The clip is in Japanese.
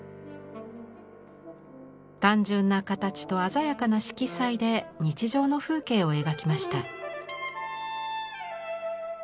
単純な形と鮮やかな色彩で日常の風景を描きました。